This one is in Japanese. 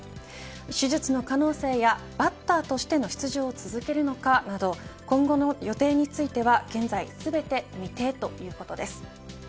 手術の可能性やバッターとしての出場を続けるのかなど今後の予定については現在全て未定ということです。